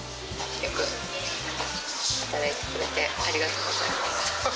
よく働いてくれてありがとうございます。